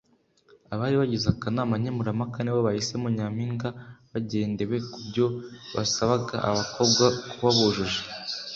abari bagize akanama nkemurampaka nibo bahisemo Nyampinga hagendewe kubyo basabaga aba bakowa kuba bujuje